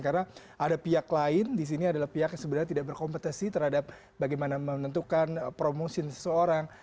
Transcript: karena ada pihak lain di sini adalah pihak yang sebenarnya tidak berkompetensi terhadap bagaimana menentukan promosi seseorang